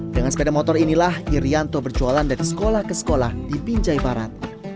dengan sepeda motor inilah irianto berjualan dari sekolah ke sekolah di binjai barat